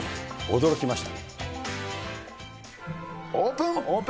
驚きました。